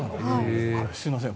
すみません。